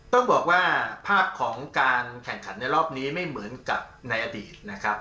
ต้องบอกว่าภาพของการแข่งขันในรอบนี้ไม่เหมือนกับในอดีตนะครับ